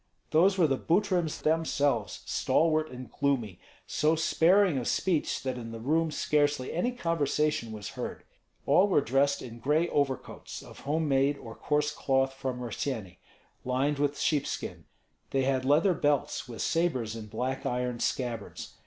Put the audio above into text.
Those were the Butryms themselves, stalwart and gloomy; so sparing of speech that in the room scarcely any conversation was heard. All were dressed in gray overcoats of home made or coarse cloth from Rossyeni, lined with sheepskin; they had leather belts, with sabres in black iron scabbards.